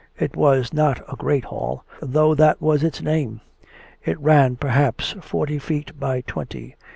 It was not a great hall, though that was its name; it ran perhaps forty feet by twenty.